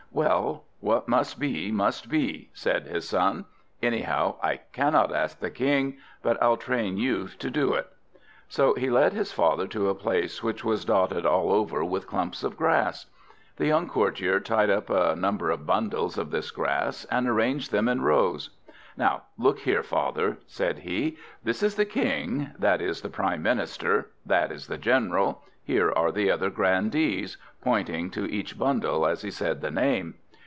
"Well, what must be, must be," said his son. "Anyhow, I cannot ask the King: but I'll train you to do it." So he led his father to a place which was dotted all over with clumps of grass. The young courtier tied up a number of bundles of this grass, and arranged them in rows. "Now, look here, father," said he, "this is the King, that is the Prime Minister, that is the General, here are the other grandees," pointing to each bundle as he said the name.